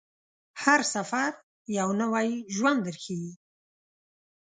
هر سفر یو نوی ژوند درښيي.